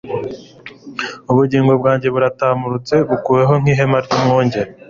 ubugingo bwanjye buratamurutse bunkuweho nk'ihema ry'umwungeri